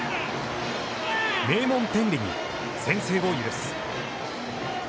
名門天理に先制を許す。